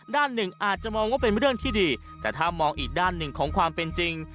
ด้านหนึ่งอาจจะมองว่าเป็นเรื่องที่ดีแต่ถ้ามองอีกด้านหนึ่งของความเป็นจริง